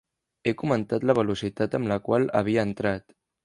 He comentat la velocitat amb la qual havia entrat.